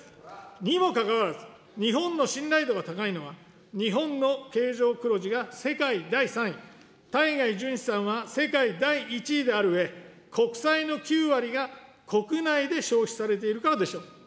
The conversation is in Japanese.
にもかかわらず、日本の信頼度が高いのは、日本の経常黒字が世界第３位、対外純資産は世界第１位であるうえ、国債の９割が国内で消費されているからでしょう。